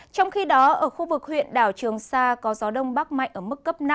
trong khi đó ở khu vực huyện đảo trường sa có gió đông bắc mạnh ở mức cấp năm